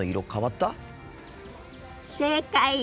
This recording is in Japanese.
正解！